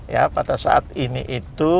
ya pada saat ini itu